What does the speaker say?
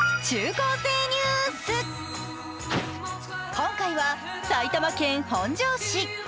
今回は埼玉県本庄市。